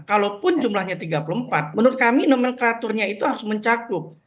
kalaupun jumlahnya tiga puluh empat menurut kami nomenklaturnya itu harus mencakup